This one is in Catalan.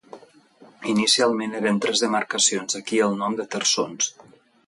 Inicialment eren tres demarcacions, d'aquí el nom de terçons: